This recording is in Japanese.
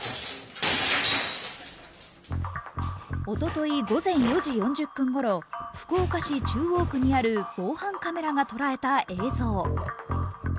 おととい午前４時４０分頃福岡市中央区にある防犯カメラが捉えた映像。